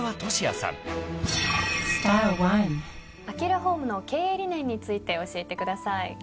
アキュラホームの経営理念について教えてください。